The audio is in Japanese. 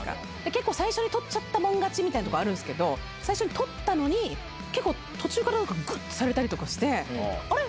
結構最初に取っちゃったもん勝ちみたいなところあるんですけど、最初に取ったのに、結構途中からぐっとされたりして、あれ？